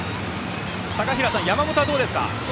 高平さん、山本はどうですか？